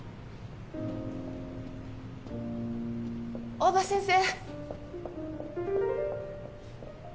大庭先生。